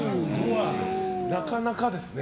なかなかですね。